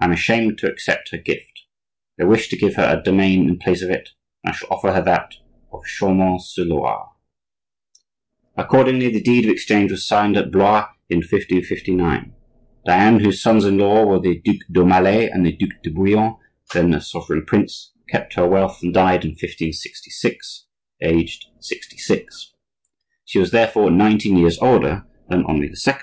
I am ashamed to accept her gift; I wish to give her a domain in place of it, and I shall offer her that of Chaumont sur Loire." Accordingly, the deed of exchange was signed at Blois in 1559. Diane, whose sons in law were the Duc d'Aumale and the Duc de Bouillon (then a sovereign prince), kept her wealth, and died in 1566 aged sixty six. She was therefore nineteen years older than Henri II.